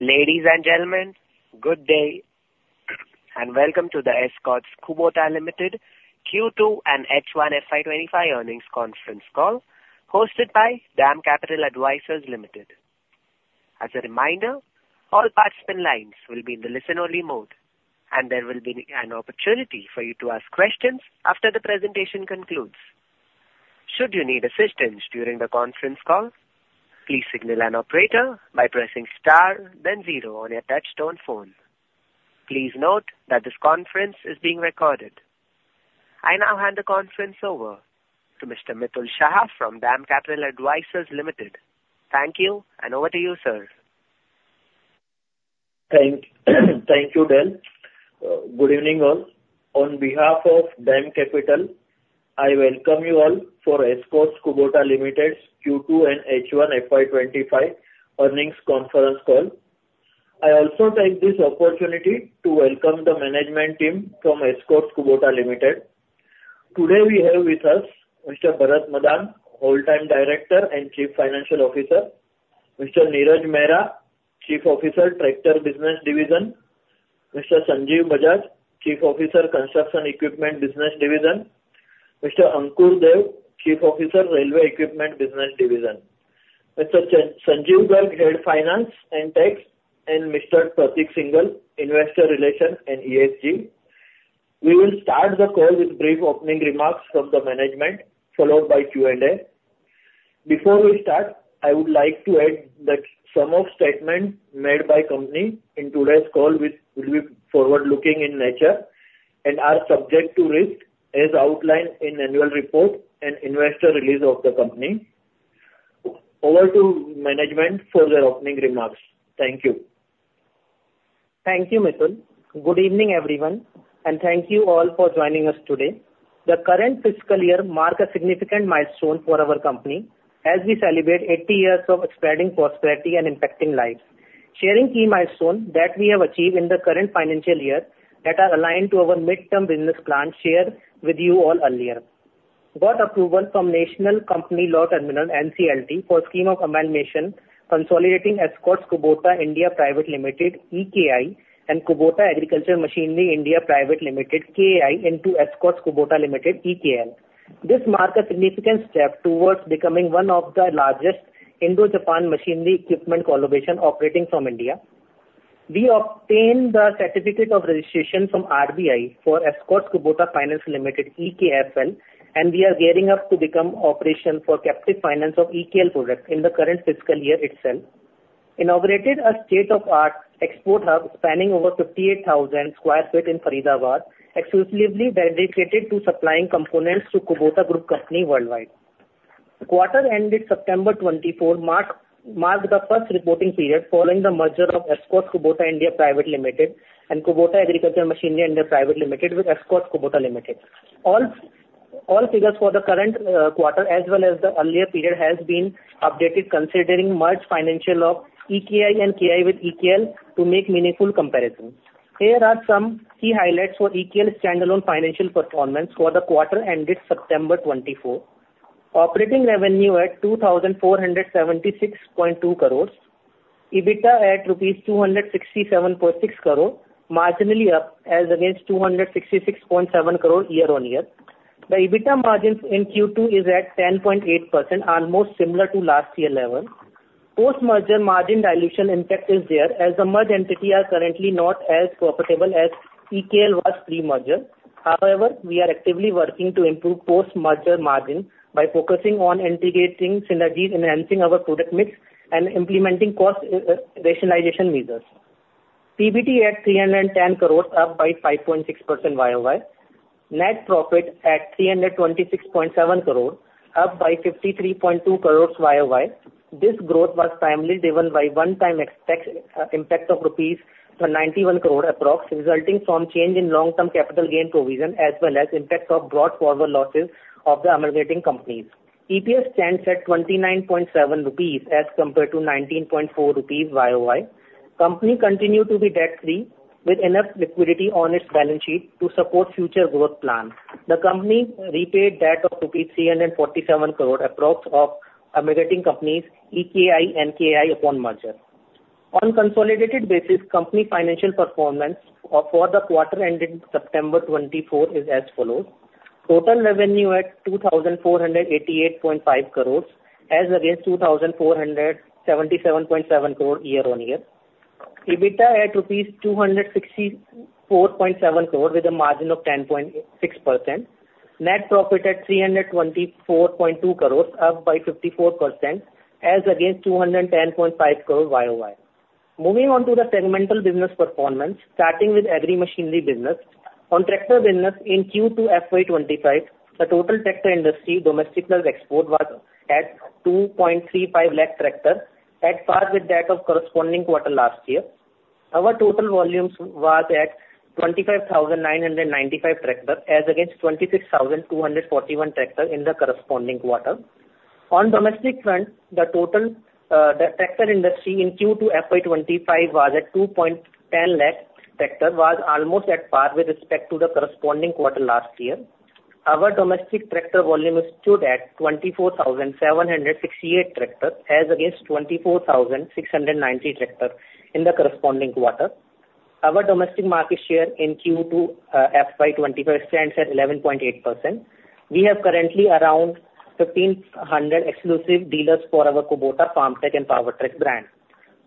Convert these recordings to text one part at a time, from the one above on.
Ladies and gentlemen, good day, and welcome to the Escorts Kubota Limited Q2 and H1 FY 2025 earnings conference call hosted by DAM Capital Advisors Limited. As a reminder, all participant lines will be in the listen-only mode, and there will be an opportunity for you to ask questions after the presentation concludes. Should you need assistance during the conference call, please signal an operator by pressing star, then zero on your touch-tone phone. Please note that this conference is being recorded. I now hand the conference over to Mr. Mitul Shah from DAM Capital Advisors Limited. Thank you, and over to you, sir. Thank you, Del. Good evening, all. On behalf of DAM Capital, I welcome you all for Escorts Kubota Limited's Q2 and H1 FY 2025 earnings conference call. I also take this opportunity to welcome the management team from Escorts Kubota Limited. Today, we have with us Mr. Bharat Madan, Whole-time Director and Chief Financial Officer; Mr. Neeraj Mehra, Chief Officer, Tractor Business Division; Mr. Sanjeev Bajaj, Chief Officer, Construction Equipment Business Division; Mr. Ankur Dev, Chief Officer, Railway Equipment Business Division; Mr. Sanjeev Garg, Head of Finance and Tax, and Prateek Singhal, Head of Investor Relations and ESG. We will start the call with brief opening remarks from the management, followed by Q&A. Before we start, I would like to add that some of the statements made by the company in today's call will be forward-looking in nature and are subject to risk, as outlined in the annual report and investor release of the company. Over to management for their opening remarks. Thank you. Thank you, Mitul. Good evening, everyone, and thank you all for joining us today. The current fiscal year marks a significant milestone for our company as we celebrate 80 years of spreading prosperity and impacting lives, sharing key milestones that we have achieved in the current financial year that are aligned to our midterm business plan shared with you all earlier. Got approval from National Company Law Tribunal (NCLT) for the scheme of amalgamation consolidating Escorts Kubota India Private Limited (EKI) and Kubota Agricultural Machinery India Private Limited (KAI) into Escorts Kubota Limited (EKL). This marks a significant step towards becoming one of the largest Indo-Japan machinery equipment collaborations operating from India. We obtained the certificate of registration from RBI for Escorts Kubota Finance Limited (EKFL), and we are gearing up to become operational for captive finance of EKL products in the current fiscal year itself. We inaugurated a state-of-the-art export hub spanning over 58,000 sq ft in Faridabad, exclusively dedicated to supplying components to Kubota Group Company worldwide. The quarter-ending September 24 marked the first reporting period following the merger of Escorts Kubota India Private Limited and Kubota Agricultural Machinery India Private Limited with Escorts Kubota Limited. All figures for the current quarter, as well as the earlier period, have been updated, considering the merged financials of EKI and KAI with EKL to make meaningful comparisons. Here are some key highlights for EKL's standalone financial performance for the quarter-ending September 24: Operating revenue at 2,476.2 crore, EBITDA at rupees 267.6 crore, marginally up as against 266.7 crore year-on-year. The EBITDA margin in Q2 is at 10.8%, almost similar to last year's level. Post-merger margin dilution impact is there, as the merged entities are currently not as profitable as EKL was pre-merger. However, we are actively working to improve post-merger margins by focusing on integrating synergies, enhancing our product mix, and implementing cost rationalization measures. PBT at 310 crore, up by 5.6% YoY. Net profit at 326.7 crore, up by 53.2 crore YoY. This growth was primarily driven by one-time impact of rupees 91 crore approximately, resulting from a change in long-term capital gain provision, as well as the impact of brought-forward losses of the amalgating companies. EPS stands at INR 29.7 as compared to INR 19.4 YoY. The company continues to be debt-free, with enough liquidity on its balance sheet to support future growth plans. The company repaid debt of rupees 347 crore approximately of amalgating companies EKI and KAI upon merger. On a consolidated basis, the company's financial performance for the quarter-ending September 2024 is as follows: Total revenue at 2,488.5 crore as against 2,477.7 crore year-on-year. EBITDA at rupees 264.7 crore with a margin of 10.6%. Net profit at 324.2 crore, up by 54% as against 210.5 crore YoY. Moving on to the segmental business performance, starting with agri-machinery business. On tractor business in Q2 FY 2025, the total tractor industry domestic export was at 2.35 lakh tractors, at par with that of the corresponding quarter last year. Our total volume was at 25,995 tractors as against 26,241 tractors in the corresponding quarter. On the domestic front, the total tractor industry in Q2 FY 2025 was at 2.10 lakh tractors, almost at par with respect to the corresponding quarter last year. Our domestic tractor volume stood at 24,768 tractors as against 24,690 tractors in the corresponding quarter. Our domestic market share in Q2 FY 2025 stands at 11.8%. We have currently around 1,500 exclusive dealers for our Kubota Farmtrac and Powertrac brands.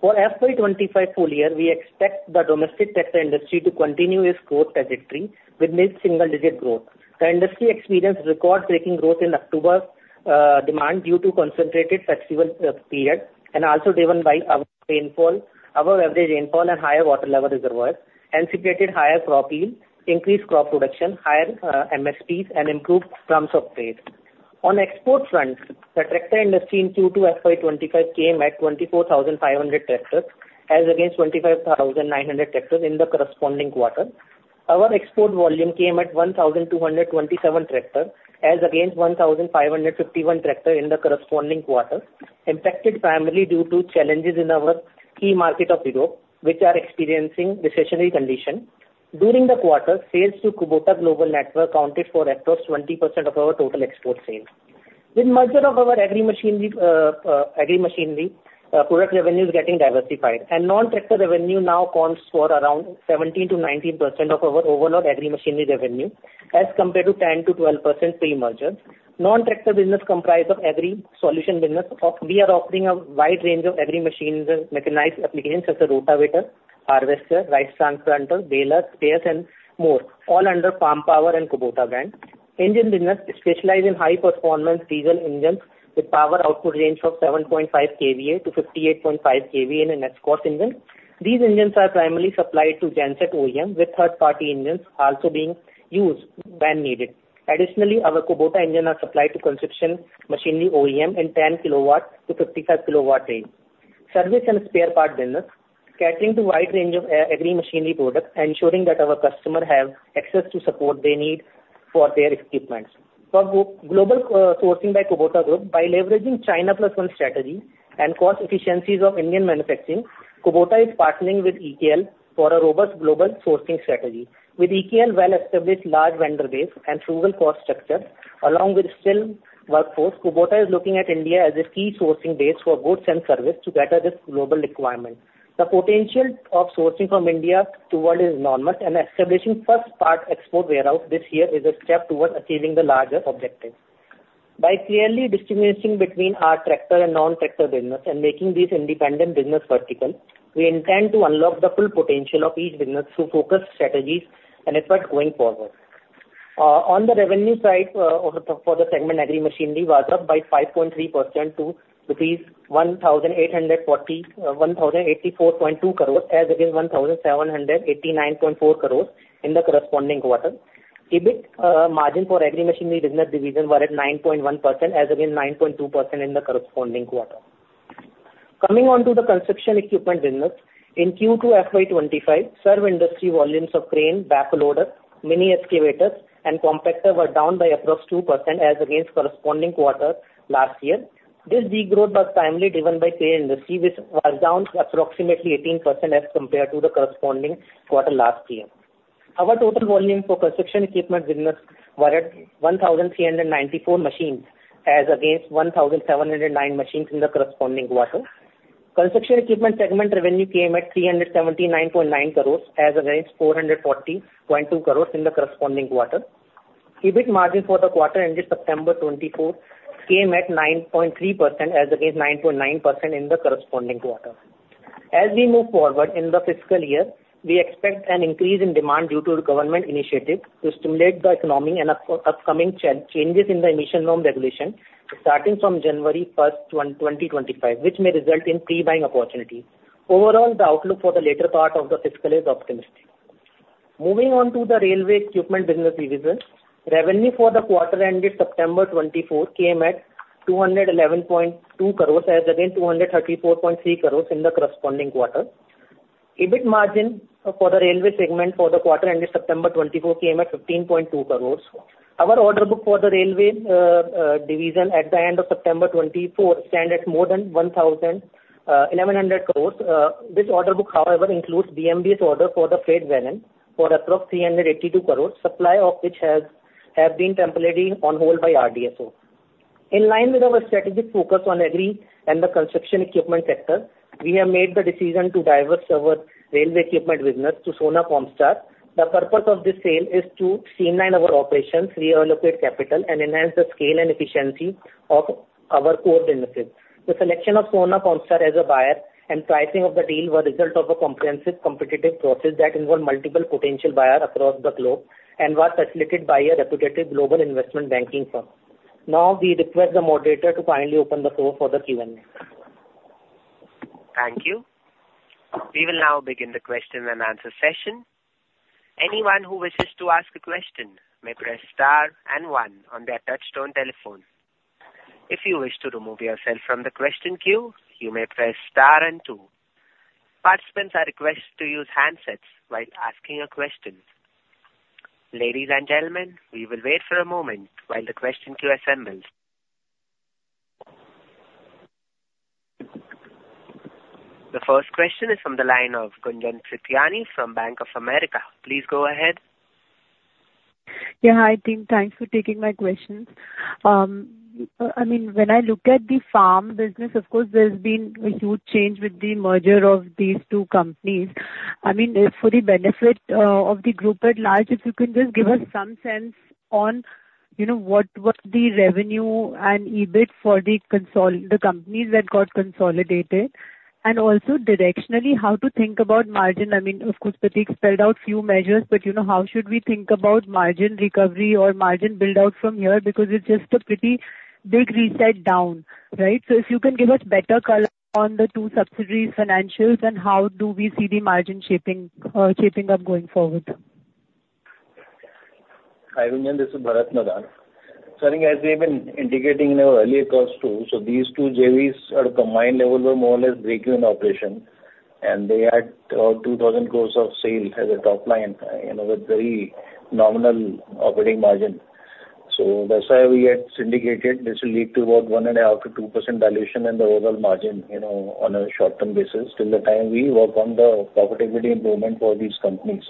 For FY 2025 full year, we expect the domestic tractor industry to continue its growth trajectory with mid-single-digit growth. The industry experienced record-breaking growth in October demand due to a concentrated flexible period, and also driven by our rainfall, our average rainfall, and higher water level reservoirs, and stipulated higher crop yield, increased crop production, higher MSPs, and improved terms of trade. On the export front, the tractor industry in Q2 FY 2025 came at 24,500 tractors as against 25,900 tractors in the corresponding quarter. Our export volume came at 1,227 tractors as against 1,551 tractors in the corresponding quarter, impacted primarily due to challenges in our key market of Europe, which are experiencing recessionary conditions. During the quarter, sales to Kubota Global Network accounted for at least 20% of our total export sales. With the merger of our agri-machinery product revenues getting diversified, non-tractor revenue now accounts for around 17%-19% of our overall agri-machinery revenue as compared to 10%-12% pre-merger. Non-tractor business comprised of agri-solution business. We are offering a wide range of agri-machinery mechanized applications such as rotavator, harvester, rice transplanter, baler, spares, and more, all under Farm Power and Kubota brand. Engine business specializes in high-performance diesel engines with power output range from 7.5 kVA-58.5 kVA in an Escorts engine. These engines are primarily supplied to Genset OEM, with third-party engines also being used when needed. Additionally, our Kubota engines are supplied to Construction Machinery OEM in 10 kW-55 kW range. Service and spare part business catering to a wide range of agri-machinery products, ensuring that our customers have access to the support they need for their equipment. For global sourcing by Kubota Group, by leveraging China Plus One strategy and cost efficiencies of Indian manufacturing, Kubota is partnering with EKL for a robust global sourcing strategy. With EKL's well-established large vendor base and frugal cost structure, along with a skilled workforce, Kubota is looking at India as a key sourcing base for goods and services to meet their global requirements. The potential of sourcing from India is enormous and establishing a first-party export warehouse this year is a step towards achieving the larger objective. By clearly distinguishing between our tractor and non-tractor business and making these independent business verticals, we intend to unlock the full potential of each business through focused strategies and efforts going forward. On the revenue side for the segment, agri-machinery was up by 5.3% to rupees 1,884.2 crore as against 1,789.4 crore in the corresponding quarter. EBIT margin for agri-machinery business division was at 9.1% as against 9.2% in the corresponding quarter. Coming on to the construction equipment business, in Q2 FY 2025, served industry volumes of cranes, backloaders, mini-excavators, and compactors were down by approximately 2% as against the corresponding quarter last year. This degrowth was primarily driven by crane industry, which was down approximately 18% as compared to the corresponding quarter last year. Our total volume for construction equipment business was at 1,394 machines as against 1,709 machines in the corresponding quarter. Construction equipment segment revenue came at 379.9 crore as against 440.2 crore in the corresponding quarter. EBIT margin for the quarter ending September 2024 came at 9.3% as against 9.9% in the corresponding quarter. As we move forward in the fiscal year, we expect an increase in demand due to government initiatives to stimulate the economy and upcoming changes in the emission norm regulation starting from January 1st, 2025, which may result in pre-buying opportunities. Overall, the outlook for the later part of the fiscal year is optimistic. Moving on to the railway equipment business division, revenue for the quarter-ending September 24 came at 211.2 crore as against 234.3 crore in the corresponding quarter. EBIT margin for the railway segment for the quarter-ending September 24 came at 15.2 crore. Our order book for the railway division at the end of September 24 stands at more than 1,100 crore. This order book, however, includes BMBS orders for the freight wagon for approximately 382 crore, supply of which has been temporarily on hold by RDSO. In line with our strategic focus on agri and the construction equipment sector, we have made the decision to divest our railway equipment business to Sona Comstar. The purpose of this sale is to streamline our operations, reallocate capital, and enhance the scale and efficiency of our core businesses. The selection of Sona Comstar as a buyer and pricing of the deal were the result of a comprehensive competitive process that involved multiple potential buyers across the globe and was facilitated by a reputed global investment banking firm. Now, we request the moderator to kindly open the floor for the Q&A. Thank you. We will now begin the question and answer session. Anyone who wishes to ask a question may press star and one on their touch-tone telephone. If you wish to remove yourself from the question queue, you may press star and two. Participants are requested to use handsets while asking a question. Ladies and gentlemen, we will wait for a moment while the question queue assembles. The first question is from the line of Gunjan Prithyani from Bank of America. Please go ahead. Yeah. Hi, team. Thanks for taking my question. I mean, when I look at the farm business, of course, there's been a huge change with the merger of these two companies. I mean, for the benefit of the group at large, if you can just give us some sense on what was the revenue and EBIT for the companies that got consolidated. And also, directionally, how to think about margin. I mean, of course, Prateek spelled out a few measures, but how should we think about margin recovery or margin build-out from here? Because it's just a pretty big reset down, right? So if you can give us better color on the two subsidiaries' financials, then how do we see the margin shaping up going forward? Hi, Gunjan. This is Bharat Madan. Sir, as we have been indicating in our earlier calls too, these two JVs at a combined level were more or less break-even operations, and they had about 2,000 crore of sales as a top line with very nominal operating margin. So that's why we had indicated this will lead to about 1.5%-2% dilution in the overall margin on a short-term basis till the time we work on the profitability improvement for these companies.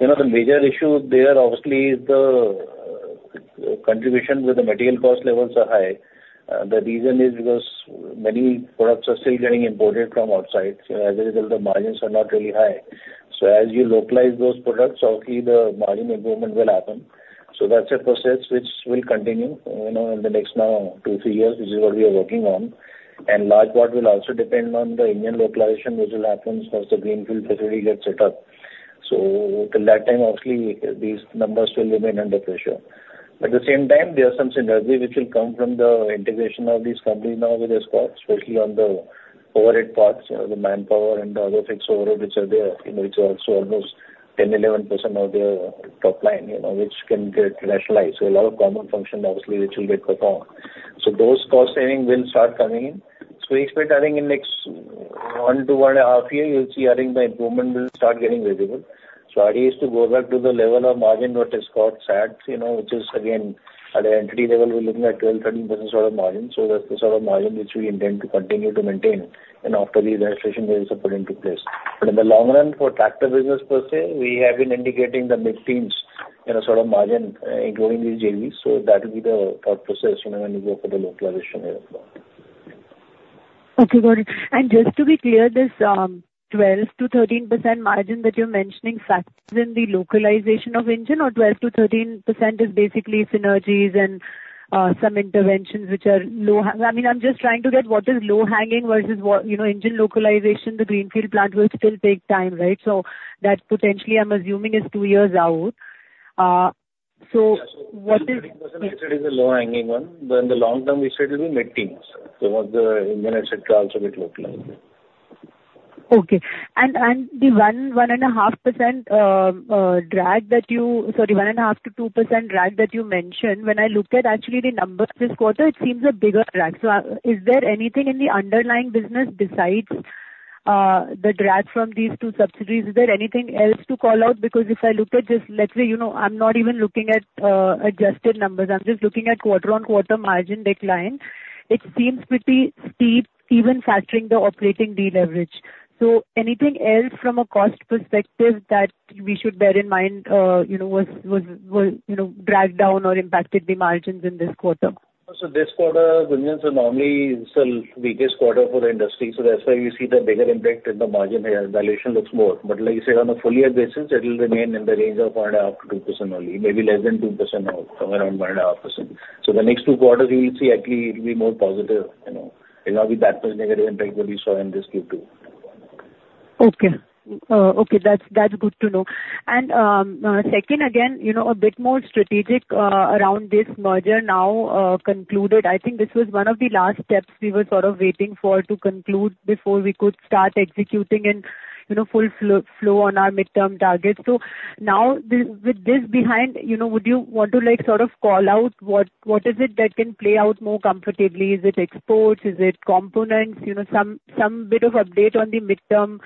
The major issue there, obviously, is the contribution with the material cost levels are high. The reason is because many products are still getting imported from outside, so as a result, the margins are not really high. So as you localize those products, obviously, the margin improvement will happen. So that's a process which will continue in the next now two, three years, which is what we are working on. And large part will also depend on the Indian localization, which will happen once the greenfield facility gets set up. So till that time, obviously, these numbers will remain under pressure. At the same time, there are some synergies which will come from the integration of these companies now with Escorts, especially on the overhead parts, the manpower and other fixed overhead which are there. It's also almost 10%-11% of their top line, which can get rationalized. So a lot of common functions, obviously, which will get performed. So those cost savings will start coming in. So we expect, I think, in the next one to one and a half years, you'll see, I think, the improvement will start getting visible. So ideally, it's to go back to the level of margin what Escorts had, which is, again, at the entity level, we're looking at 12%-13% sort of margin. So that's the sort of margin which we intend to continue to maintain. And after the registration, there is a put in place. But in the long run for tractor business per se, we have been indicating the mid-teens sort of margin, including these JVs. So that will be the thought process when we go for the localization as well. Okay, got it. Just to be clear, this 12%-13% margin that you're mentioning factors in the localization of engine, or 12%-13% is basically synergies and some interventions which are low? I mean, I'm just trying to get what is low-hanging versus engine localization. The greenfield plant will still take time, right? So that potentially, I'm assuming, is two years out. So what is? Yeah, so 12% is a low-hanging one. But in the long term, we said it will be mid-teens. So once the engine etc. also get localized. Okay. And the 1%-1.5% drag that you, sorry, 1.5%-2% drag that you mentioned, when I look at actually the numbers this quarter, it seems a bigger drag. So is there anything in the underlying business besides the drag from these two subsidies? Is there anything else to call out? Because if I look at just, let's say I'm not even looking at adjusted numbers. I'm just looking at quarter-on-quarter margin decline. It seems pretty steep, even factoring the operating deleverage. So anything else from a cost perspective that we should bear in mind was dragged down or impacted the margins in this quarter? So this quarter, Gunjan, so normally, it's the weakest quarter for the industry. So that's why we see the bigger impact in the margin here. Dilution looks more. But like I said, on a full-year basis, it will remain in the range of 1.5%-2% only, maybe less than 2% now, somewhere around 1.5%. So the next two quarters, you will see actually it will be more positive. It will not be that much negative impact what you saw in this Q2. Okay. Okay, that's good to know. And second, again, a bit more strategic around this merger now concluded. I think this was one of the last steps we were sort of waiting for to conclude before we could start executing in full flow on our mid-term targets. So now, with this behind, would you want to sort of call out what is it that can play out more comfortably? Is it exports? Is it components? Some bit of update on the mid-term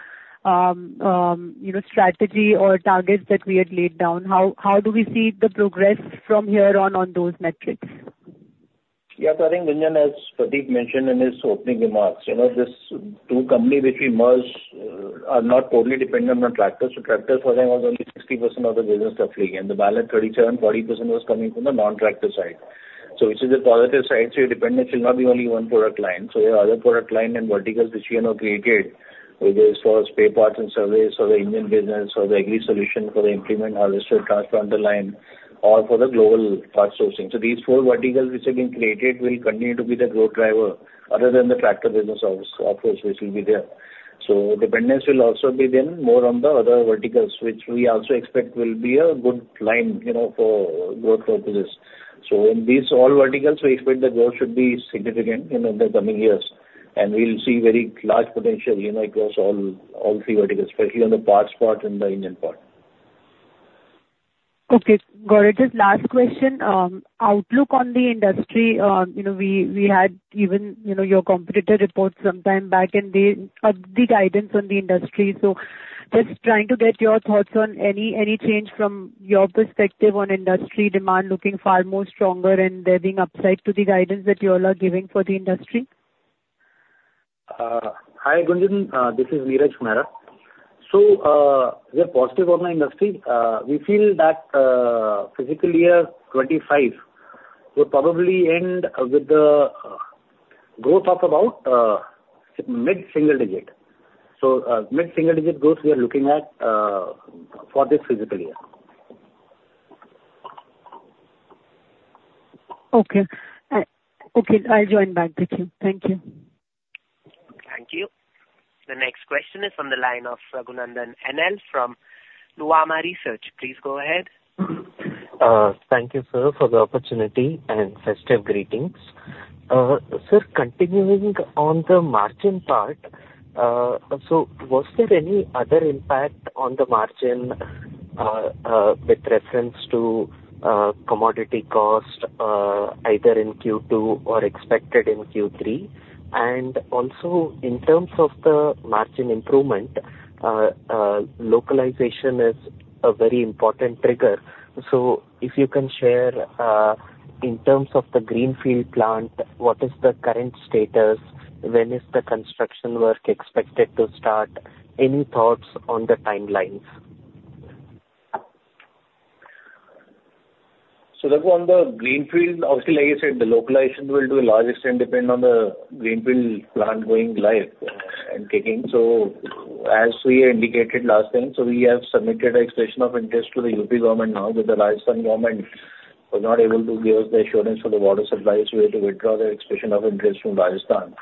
strategy or targets that we had laid down. How do we see the progress from here on those metrics? Yeah, so I think, Gunjan, as Prateek mentioned in his opening remarks, these two companies which we merged are not totally dependent on tractors. So tractors, for example, was only 60% of the business roughly. And the balance, 37%-40% was coming from the non-tractor side. So which is a positive side. So your dependence will not be only one product line. So there are other product lines and verticals which we have now created, which is for spare parts and service, for the engine business, for the agri solution, for the implement harvester transplanter line, or for the global parts sourcing. So these four verticals which have been created will continue to be the growth driver, other than the tractor business, of course, which will be there. So dependence will also be then more on the other verticals, which we also expect will be a good line for growth purposes. So in these all verticals, we expect the growth should be significant in the coming years. And we'll see very large potential across all three verticals, especially on the parts part and the engine part. Okay, got it. Just last question, outlook on the industry. We had even your competitor reports sometime back, and they have the guidance on the industry. So just trying to get your thoughts on any change from your perspective on industry demand looking far more stronger and there being upside to the guidance that you all are giving for the industry? Hi, Gunjan. This is Neeraj Mehra. So we are positive on the industry. We feel that fiscal year 2025 will probably end with the growth of about mid-single digit. So mid-single digit growth we are looking at for this fiscal year. Okay. Okay, I'll join back to queue. Thank you. Thank you. The next question is from the line of Raghunandhan N.L. from Nuvama Research. Please go ahead. Thank you, sir, for the opportunity and festive greetings. Sir, continuing on the margin part, so was there any other impact on the margin with reference to commodity cost, either in Q2 or expected in Q3? And also, in terms of the margin improvement. Localization is a very important trigger. So if you can share, in terms of the greenfield plant, what is the current status? When is the construction work expected to start? Any thoughts on the timelines? So look on the greenfield. Obviously, like I said, the localization will, to a large extent, depend on the greenfield plant going live and kicking. So as we indicated last time, so we have submitted an expression of interest to the UP government now, but the Rajasthan government was not able to give us the assurance for the water supply so we had to withdraw the expression of interest from Rajasthan.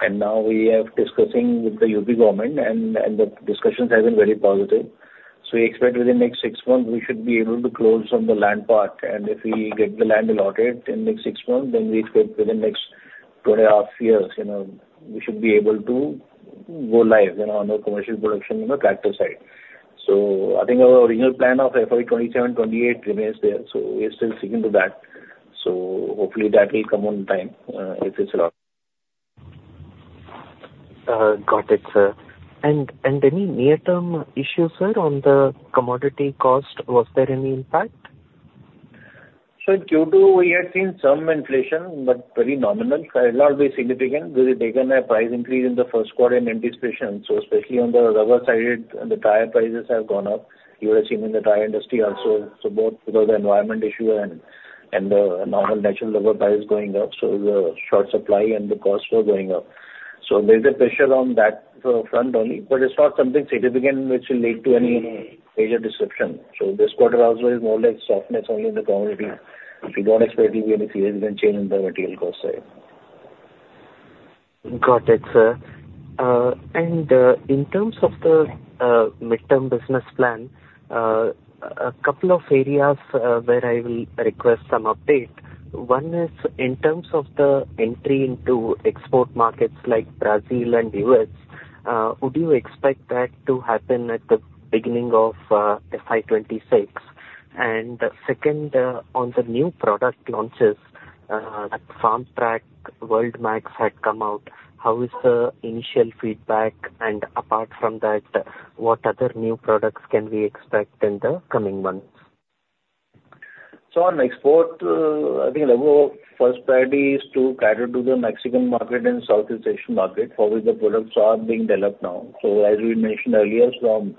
And now we are discussing with the UP government, and the discussions have been very positive. So we expect within the next six months, we should be able to close on the land part. And if we get the land allotted in the next six months, then we expect within the next two and a half years, we should be able to go live on the commercial production on the tractor side. So I think our original plan of FY 2027-2028 remains there. So we are still sticking to that. So hopefully, that will come on time if it's allowed. Got it, sir. And any near-term issues, sir, on the commodity cost? Was there any impact? Sir, Q2, we had seen some inflation, but very nominal. It will not be significant because it didn't have price increase in the first quarter in anticipation. So especially on the rubber side, the tire prices have gone up. You would have seen in the tire industry also. So both the environment issue and the normal natural rubber price going up. So the short supply and the cost were going up. So there's a pressure on that front only. But it's not something significant which will lead to any major disruption. So this quarter also is more or less softness only in the commodity. We don't expect to be any significant change on the material cost side. Got it, sir. In terms of the mid-term business plan, a couple of areas where I will request some update. One is in terms of the entry into export markets like Brazil and the U.S. Would you expect that to happen at the beginning of FY 2026? Second, on the new product launches, Farmtrac Worldmaxx had come out. How is the initial feedback? Apart from that, what other new products can we expect in the coming months? So on export, I think level of first priority is to cater to the Mexican market and Southeast Asian market for which the products are being developed now. So as we mentioned earlier, from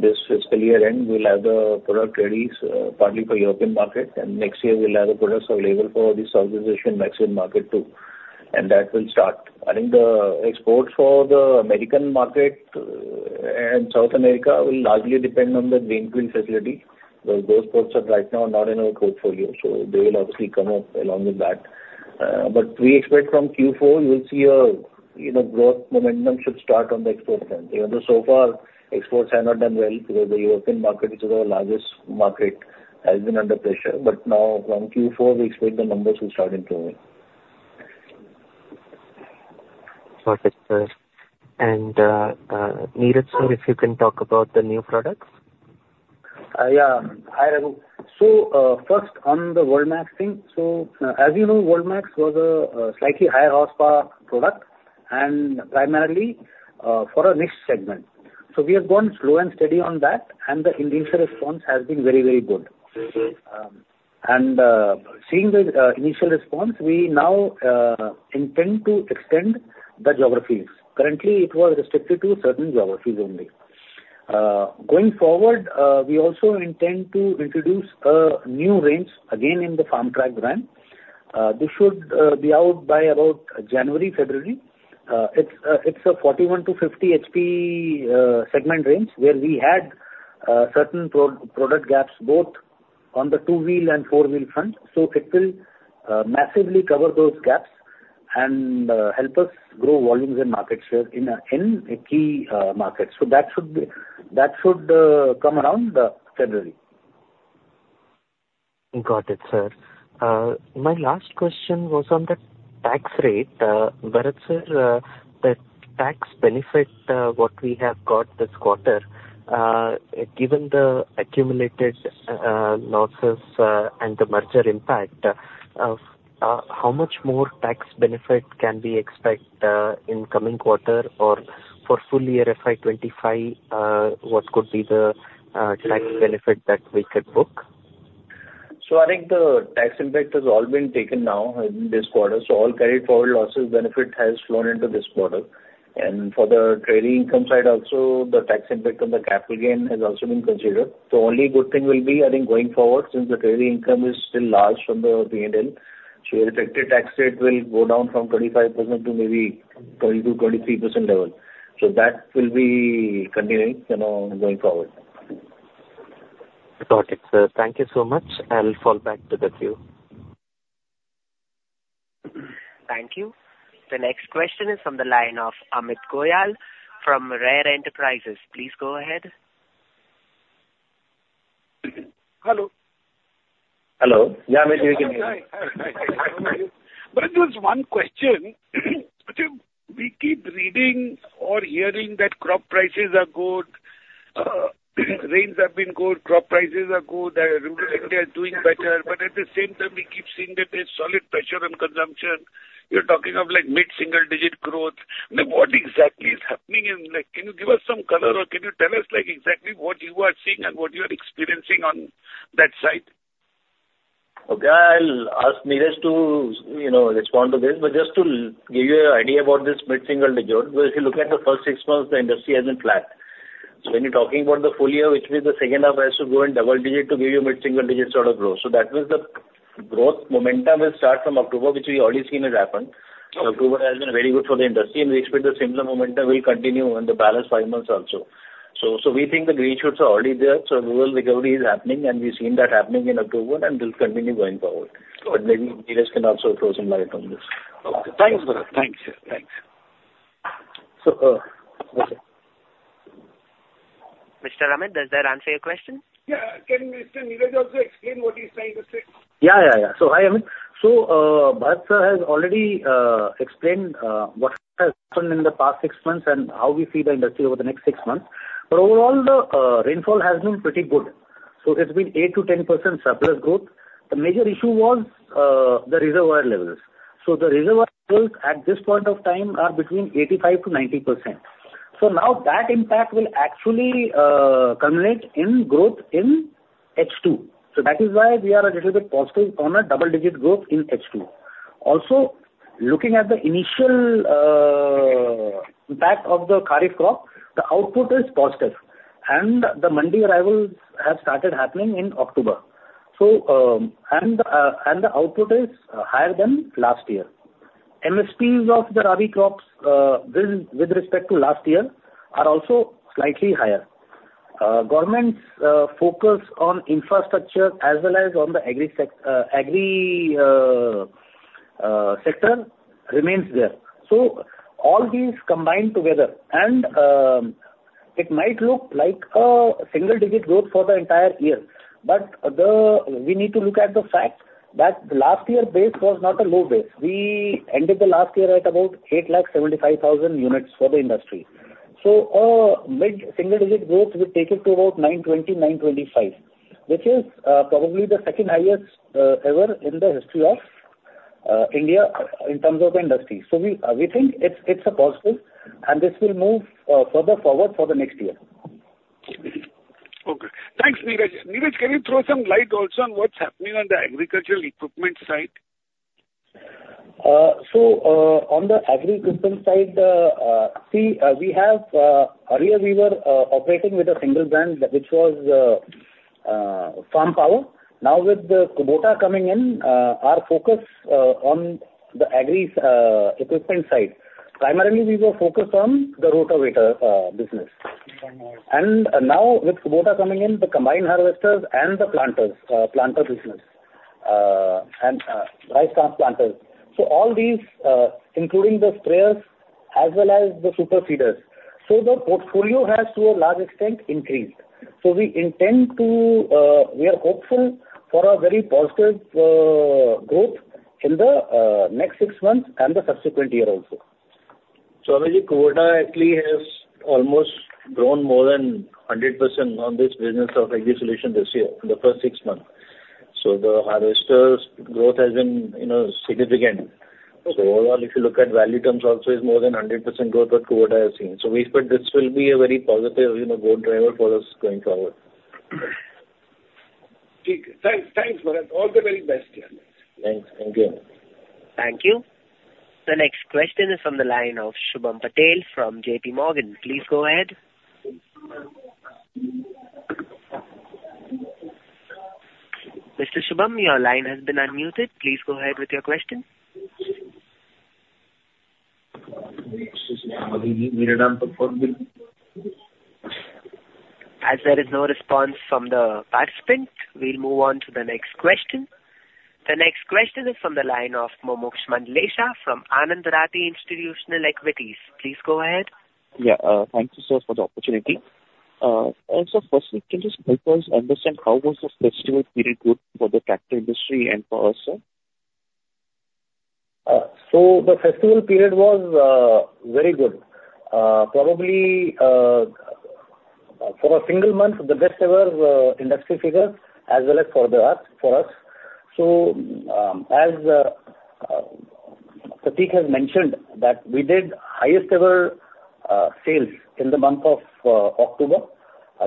this fiscal year end, we'll have the product ready partly for the European market. And next year, we'll have the products available for the Southeast Asian and Mexican market too. And that will start. I think the exports for the American market and South America will largely depend on the greenfield facility because those products are right now not in our portfolio. So they will obviously come up along with that. But we expect from Q4, you will see a growth momentum should start on the export front. So far, exports have not done well because the European market, which is our largest market, has been under pressure. But now, from Q4, we expect the numbers will start improving. Got it, sir. Neeraj, sir, if you can talk about the new products? Yeah. Hi, Raghun. So first, on the Worldmaxx thing, so as you know, Worldmaxx was a slightly higher horsepower product, and primarily for a niche segment. So we have gone slow and steady on that, and the initial response has been very, very good. And seeing the initial response, we now intend to extend the geographies. Currently, it was restricted to certain geographies only. Going forward, we also intend to introduce a new range again in the Farmtrac brand. This should be out by about January, February. It's a 41 HP-50 HP segment range where we had certain product gaps both on the two-wheel and four-wheel front. So it will massively cover those gaps and help us grow volumes and market share in key markets. So that should come around February. Got it, sir. My last question was on the tax rate. Bharat sir, the tax benefit what we have got this quarter, given the accumulated losses and the merger impact, how much more tax benefit can we expect in coming quarter or for full-year FY 2025? What could be the tax benefit that we could book? So I think the tax impact has all been taken now in this quarter. So all credit forward losses benefit has flown into this quarter. And for the trading income side, also the tax impact on the capital gain has also been considered. The only good thing will be, I think, going forward, since the trading income is still large from the P&L, so your effective tax rate will go down from 25% to maybe 22%-23% level. So that will be continuing going forward. Got it, sir. Thank you so much. I'll fall back to the queue. Thank you. The next question is from the line of Amit Goela from RaRe Enterprises. Please go ahead. Hello. Hello. Yeah, Amit, you can hear me. But just one question. We keep reading or hearing that crop prices are good. Rains have been good. Crop prices are good. Rural India is doing better. But at the same time, we keep seeing that there's solid pressure on consumption. You're talking of mid-single digit growth. What exactly is happening? And can you give us some color or can you tell us exactly what you are seeing and what you are experiencing on that side? Okay. I'll ask Neeraj to respond to this. But just to give you an idea about this mid-single digit, if you look at the first six months, the industry hasn't been flat. So when you're talking about the full year, which means the second half has to go in double digit to give you mid-single digit sort of growth. That means the growth momentum will start from October, which we already seen has happened. October has been very good for the industry. We expect the similar momentum will continue in the balance five months also. We think the green shoots are already there. Rural recovery is happening, and we've seen that happening in October, and we'll continue going forward. But maybe Neeraj can also shed some light on this. Thanks, sir. Thanks, sir. Thanks. So, okay. Mr. Amit, does that answer your question? Yeah. Can Neeraj also explain what he's trying to say? Yeah, yeah, yeah. So Hi, Amit. So Bharat sir has already explained what has happened in the past six months and how we see the industry over the next six months, but overall, the rainfall has been pretty good. So it's been 8%-10% surplus growth. The major issue was the reservoir levels. So the reservoir levels at this point of time are between 85%-90%. So now that impact will actually culminate in growth in H2. So that is why we are a little bit positive on a double-digit growth in H2. Also, looking at the initial impact of the kharif crop, the output is positive, and the Mandi arrivals have started happening in October. And the output is higher than last year. MSPs of the Rabi crops with respect to last year are also slightly higher. Government's focus on infrastructure as well as on the agri sector remains there. So all these combined together, and it might look like a single digit growth for the entire year. But we need to look at the fact that the last year base was not a low base. We ended the last year at about 875,000 units for the industry. So mid-single digit growth will take it to about 920,000-925,000 which is probably the second highest ever in the history of India in terms of the industry. So we think it's a positive, and this will move further forward for the next year. Okay. Thanks, Neeraj. Neeraj, can you throw some light also on what's happening on the agricultural equipment side? On the agri equipment side, see, we had earlier we were operating with a single brand, which was FarmPower. Now, with Kubota coming in, our focus on the agri equipment side, primarily we were focused on the rotavator business. And now, with Kubota coming in, the combine harvesters and the planter business and rice crop planters. So all these, including the sprayers as well as the super seeders. So the portfolio has, to a large extent, increased. We are hopeful for a very positive growth in the next six months and the subsequent year also. So Amit, Kubota actually has almost grown more than 100% on this business of agri solution this year in the first six months. So the harvesters growth has been significant. So overall, if you look at value terms also, it's more than 100% growth what Kubota has seen. We expect this will be a very positive growth driver for us going forward. Thanks, Bharat. All the very best here. Thanks. Thank you. Thank you. The next question is from the line of Shubham Patel from JPMorgan. Please go ahead. Mr. Shubham, your line has been unmuted. Please go ahead with your question. As there is no response from the participant, we'll move on to the next question. The next question is from the line of Mumuksh Mandlesha from Anand Rathi Institutional Equities. Please go ahead. Yeah. Thank you, sir, for the opportunity. And sir, firstly, can you help us understand how was the festival period good for the tractor industry and for us, sir? So the festival period was very good. Probably for a single month, the best-ever industry figure as well as for us. So as Prateek has mentioned, that we did highest-ever sales in the month of October.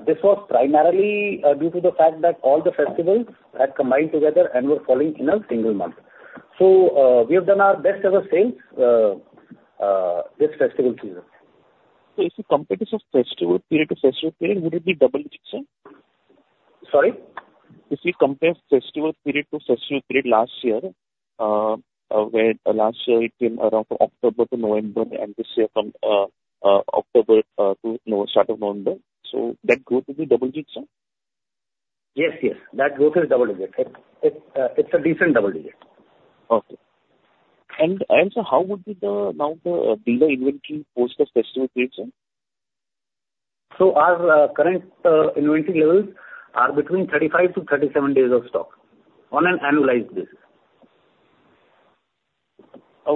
This was primarily due to the fact that all the festivals had combined together and were falling in a single month. So we have done our best-ever sales this festival season. So if you compare this festival period to festival period, would it be double digits, sir? Sorry? If you compare festival period to festival period last year, last year it came around from October-November, and this year from October to start of November. So that growth would be double digits, sir? Yes, yes. That growth is double digit. It's a decent double digit. Okay. And sir, how would be now the dealer inventory post the festival period, sir? Our current inventory levels are between 35 days-37 days of stock on an annualized basis.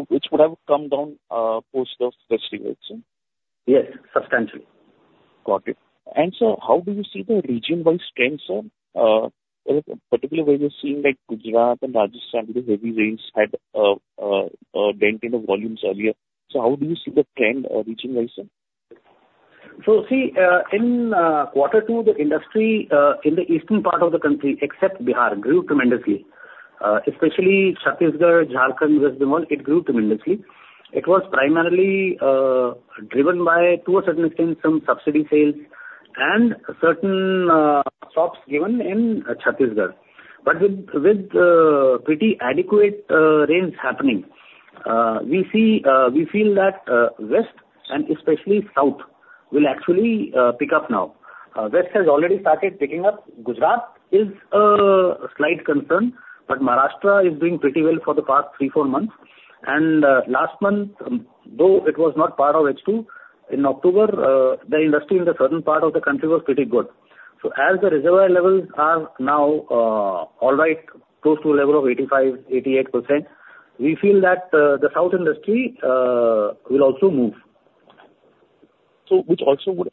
Which would have come down post the festival period, sir? Yes, substantially. Got it. And sir, how do you see the region-wise trends, sir? Particularly, we're seeing Gujarat and Rajasthan with the heavy rains had a dent in the volumes earlier. So how do you see the trend region-wise, sir? So see, in quarter two, the industry in the eastern part of the country, except Bihar, grew tremendously. Especially Chhattisgarh, Jharkhand, West Bengal, it grew tremendously. It was primarily driven by, to a certain extent, some subsidy sales and certain stops given in Chhattisgarh. But with pretty adequate rains happening, we feel that west and especially south will actually pick up now. West has already started picking up. Gujarat is a slight concern, but Maharashtra is doing pretty well for the past three, four months. And last month, though it was not part of H2, in October, the industry in the southern part of the country was pretty good. So as the reservoir levels are now all right, close to a level of 85%-88%, we feel that the south industry will also move. So which also would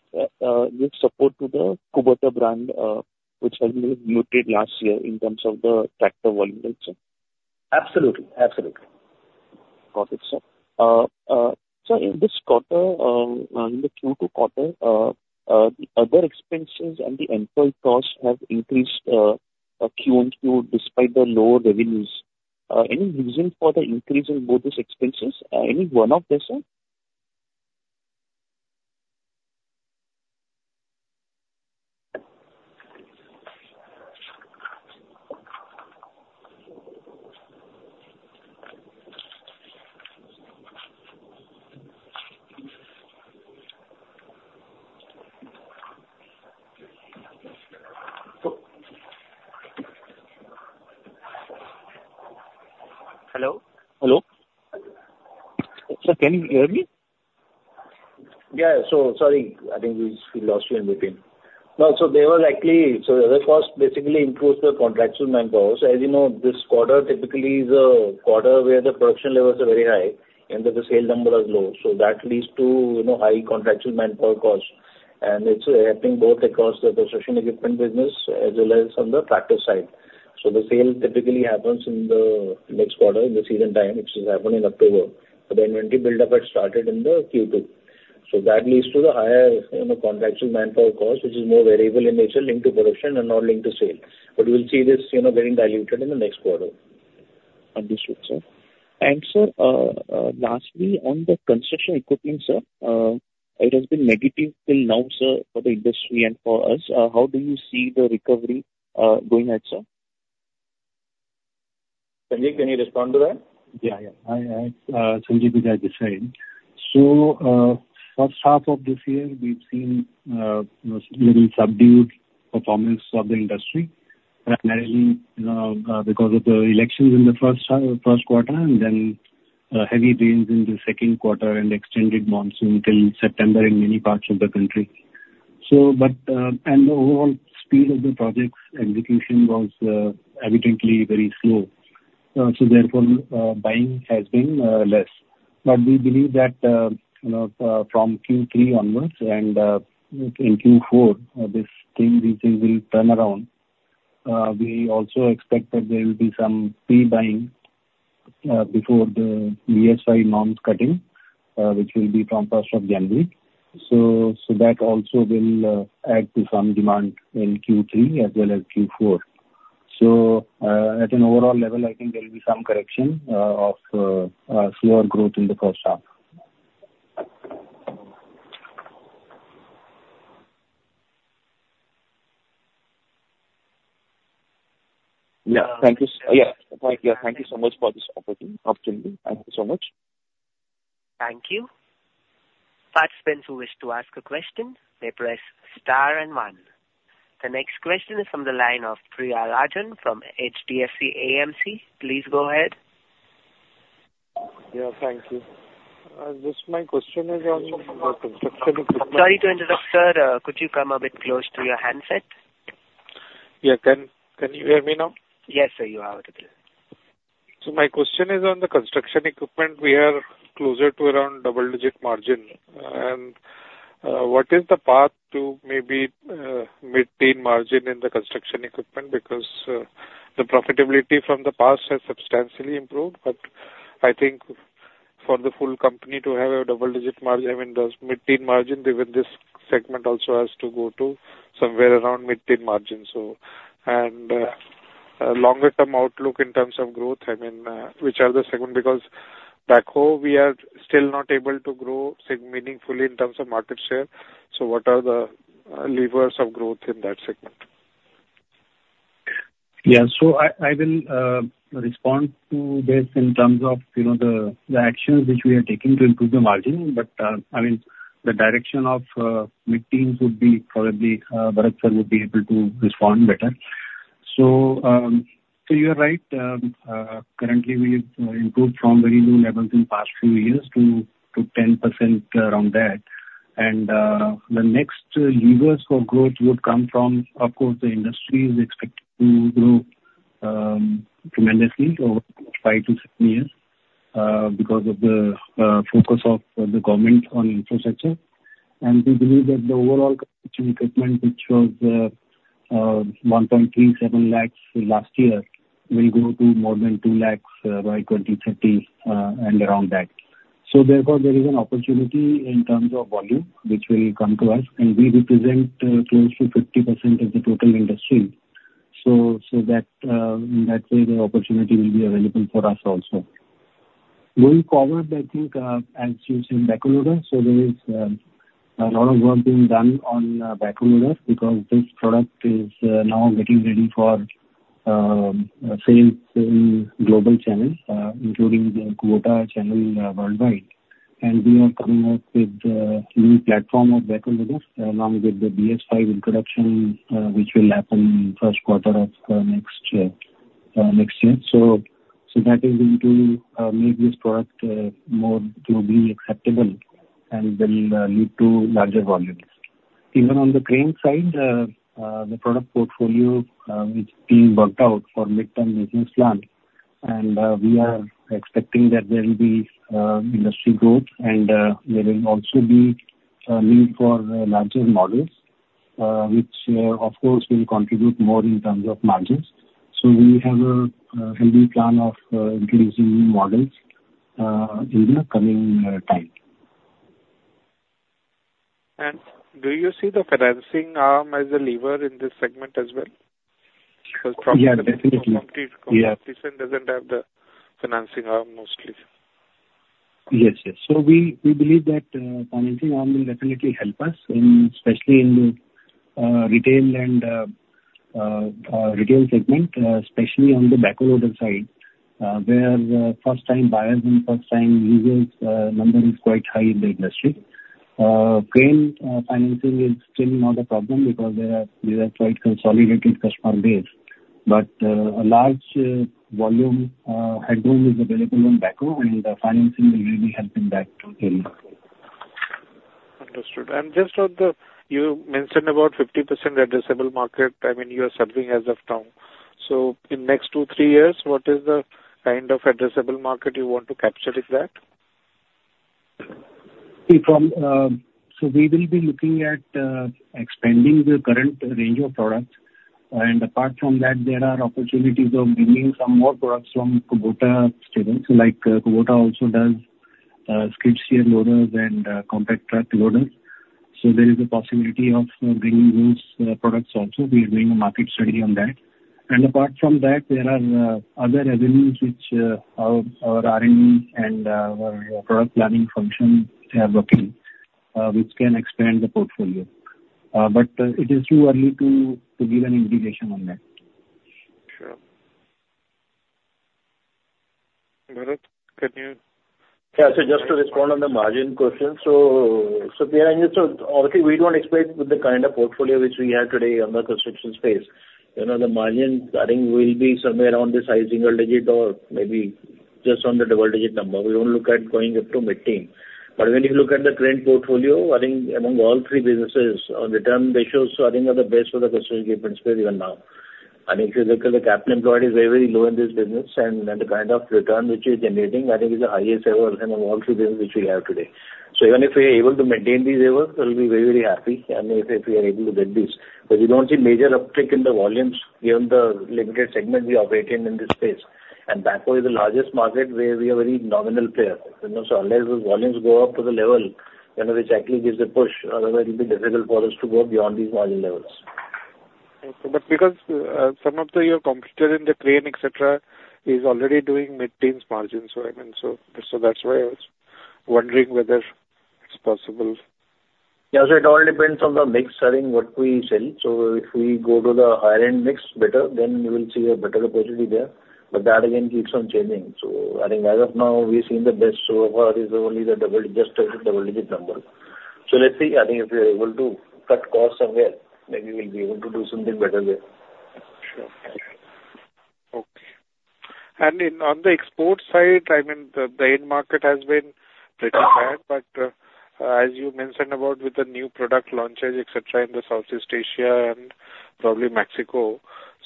give support to the Kubota brand, which has matured last year in terms of the tractor volume, right, sir? Absolutely. Absolutely. Got it, sir. So in this quarter, in the Q2 quarter, the other expenses and the employee costs have increased QoQ despite the lower revenues. Any reason for the increase in both these expenses? Any one of them, sir? Hello? Hello? Sir, can you hear me? Yeah. So sorry. I think we lost you in between. No, so they were likely so the other cost basically improves the contractual manpower. So as you know, this quarter typically is a quarter where the production levels are very high and the sale number is low. So that leads to high contractual manpower cost. And it's happening both across the construction equipment business as well as on the tractor side. So the sale typically happens in the next quarter in the season time, which is happening in October. But the inventory buildup had started in the Q2. So that leads to the higher contractual manpower cost, which is more variable in nature linked to production and not linked to sale. But we'll see this getting diluted in the next quarter. Understood, sir. Sir, lastly, on the construction equipment, sir, it has been negative till now, sir, for the industry and for us. How do you see the recovery going ahead, sir? Sanjeev, can you respond to that? Yeah, yeah. Hi, Sanjeev is at the side. So first half of this year, we've seen a little subdued performance of the industry, primarily because of the elections in the first quarter and then heavy rains in the second quarter and extended monsoon till September in many parts of the country. And the overall speed of the project's execution was evidently very slow. So therefore, buying has been less. But we believe that from Q3 onwards and in Q4, these things will turn around. We also expect that there will be some pre-buying before the BS V norms cutting, which will be from first of January. So that also will add to some demand in Q3 as well as Q4. So at an overall level, I think there will be some correction of slower growth in the first half. Yeah. Thank you. Yeah. Thank you so much for this opportunity. Thank you so much. Thank you. Participants who wish to ask a question, they press star and one. The next question is from the line of Priya Ranjan from HDFC AMC. Please go ahead. Yeah, thank you. Just my question is on the construction equipment. Sorry to interrupt, sir. Could you come a bit close to your handset? Yeah. Can you hear me now? Yes, sir. You are audible. So my question is on the construction equipment. We are closer to around double-digit margin. And what is the path to maybe mid-teen margin in the construction equipment? Because the profitability from the past has substantially improved. But I think for the full company to have a double-digit margin, I mean, does mid-teen margin with this segment also has to go to somewhere around mid-teen margin. And longer-term outlook in terms of growth, I mean, which are the segment? Because back home, we are still not able to grow meaningfully in terms of market share. So what are the levers of growth in that segment? Yeah. So I will respond to this in terms of the actions which we are taking to improve the margin. But I mean, the direction of mid-teens would be probably Bharat sir would be able to respond better. So you are right. Currently, we've improved from very low levels in the past few years to 10% around that. And the next levers for growth would come from, of course, the industry is expected to grow tremendously over five years-seven years because of the focus of the government on infrastructure. And we believe that the overall construction equipment, which was 1.37 lakhs last year, will go to more than 2 lakhs by 2030 and around that. So therefore, there is an opportunity in terms of volume, which will come to us. And we represent close to 50% of the total industry. So in that way, the opportunity will be available for us also. Going forward, I think, as you said, backhoe loader. So there is a lot of work being done on backhoe loader because this product is now getting ready for sales in global channels, including the Kubota channel worldwide. And we are coming up with a new platform of backhoe loader along with the BS V introduction, which will happen in the first quarter of next year. So that is going to make this product more globally acceptable and will lead to larger volumes. Even on the crane side, the product portfolio is being worked out for mid-term business plan. And we are expecting that there will be industry growth, and there will also be a need for larger models, which, of course, will contribute more in terms of margins. We have a heavy plan of introducing new models in the coming time. Do you see the financing arm as a lever in this segment as well? Yes definitely Because probably the competition doesn't have the financing arm mostly. Yes, yes. So we believe that financing arm will definitely help us, especially in the retail segment, especially on the backhoe loader side, where first-time buyers and first-time users' number is quite high in the industry. Crane financing is still not a problem because they have quite consolidated customer base. But a large volume headroom is available on backhoe, and the financing will really help in that area. Understood. And just on the, you mentioned about 50% addressable market. I mean, you are serving as of now. So in the next two year, three years, what is the kind of addressable market you want to capture with that? We will be looking at expanding the current range of products. And apart from that, there are opportunities of bringing some more products from Kubota, like Kubota also does skid steer loaders and compact track loaders. So there is a possibility of bringing those products also. We are doing a market study on that. And apart from that, there are other avenues which our R&D and our product planning function are working, which can expand the portfolio. But it is too early to give an indication on that. Sure. Bharat, can you? Yeah. So just to respond on the margin question. So yeah, I mean, so obviously, we don't expect with the kind of portfolio which we have today on the construction space. The margin, I think, will be somewhere around this high single digit or maybe just on the double-digit number. We won't look at going up to mid-teen. But when you look at the crane portfolio, I mean, among all three businesses, return ratios I think are the best for the construction equipment space even now. I mean, if you look at the capital employed, very, very low in this business. And the kind of return which we are generating, I think, is the highest ever among all three businesses which we have today. So even if we are able to maintain these levels, we'll be very, very happy if we are able to get these. But we don't see major uptick in the volumes given the limited segment we operate in in this space. And backhoe is the largest market where we are a very nominal player. So unless those volumes go up to the level which actually gives a push, otherwise, it will be difficult for us to go beyond these margin levels. But because some of the components in the crane, etc., is already doing mid-teens margins, so I mean, so that's why I was wondering whether it's possible. Yeah. So it all depends on the mix, I think, what we sell. So if we go to the higher-end mix, better, then we will see a better opportunity there. But that, again, keeps on changing. So I think as of now, we've seen the best so far is only the double-digit, just double-digit number. So let's see. I think if we are able to cut costs somewhere, maybe we'll be able to do something better there. Sure. Okay. And on the export side, I mean, the end market has been pretty bad. But as you mentioned about with the new product launches, etc., in the Southeast Asia and probably Mexico,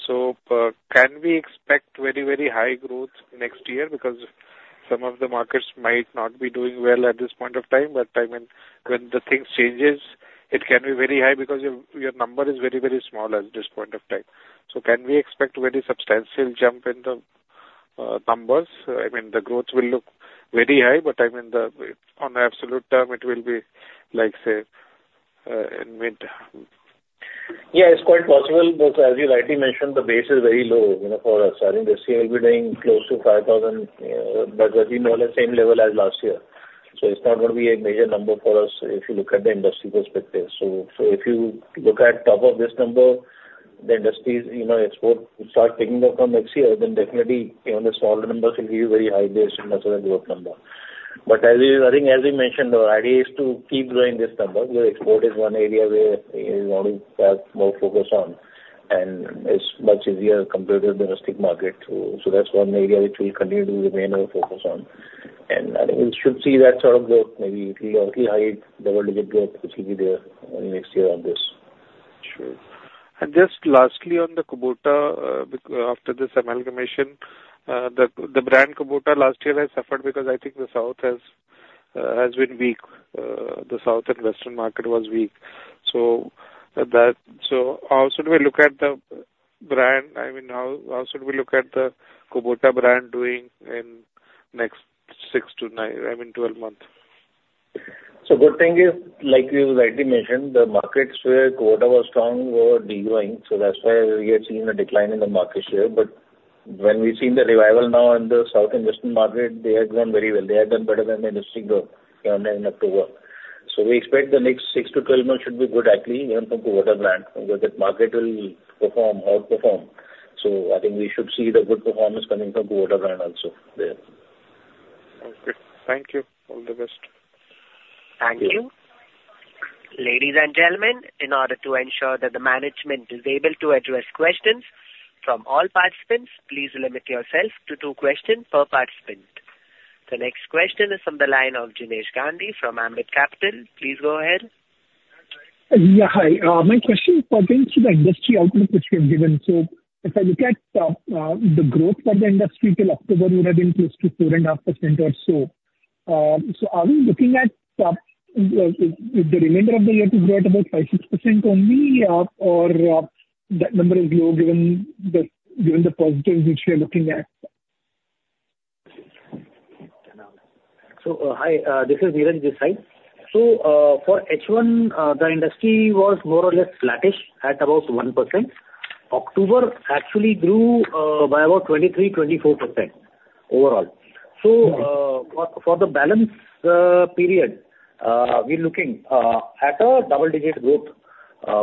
so can we expect very, very high growth next year? Because some of the markets might not be doing well at this point of time. But I mean, when the thing changes, it can be very high because your number is very, very small at this point of time. So can we expect a very substantial jump in the numbers? I mean, the growth will look very high, but I mean, on the absolute term, it will be like, say, mid. Yeah. It's quite possible. But as you rightly mentioned, the base is very low for us. I think this year we'll be doing close to 5,000, but that will be more or less same level as last year. So it's not going to be a major number for us if you look at the industry perspective. So if you look at top of this number, the industry's export will start picking up from next year, then definitely the smaller numbers will give you a very high base in terms of the growth number. But I think, as we mentioned, our idea is to keep growing this number because export is one area where we want to have more focus on. And it's much easier compared to the domestic market. So that's one area which we'll continue to remain focused on. And I think we should see that sort of growth. Maybe it will likely hide double-digit growth, which will be there next year on this. Sure. And just lastly on the Kubota, after this amalgamation, the brand Kubota last year has suffered because I think the South has been weak. The South and Western market was weak. So how should we look at the brand? I mean, how should we look at the Kubota brand doing in next six months to nine months, I mean, 12 months? So, good thing is, like you rightly mentioned, the markets where Kubota was strong were degrowing. So that's why we have seen a decline in the market share. But when we've seen the revival now in the South and Western market, they have grown very well. They have done better than the industry growth in October. So we expect the next six months to 12 months should be good, actually, even from Kubota brand, because that market will perform, outperform. So I think we should see the good performance coming from Kubota brand also there. Okay. Thank you. All the best. Thank you. Ladies and gentlemen, in order to ensure that the management is able to address questions from all participants, please limit yourself to two questions per participant. The next question is from the line of Jinesh Gandhi from Ambit Capital. Please go ahead. Yeah. Hi. My question pertains to the industry outlook which we have given. So if I look at the growth for the industry till October, it would have been close to 4.5% or so. So are we looking at the remainder of the year to grow at about 5%-6% only, or that number is low given the positives which we are looking at? Hi. This is Neeraj Mehra. For H1, the industry was more or less flattish at about 1%. October actually grew by about 23%-24% overall. For the balance period, we're looking at a double-digit growth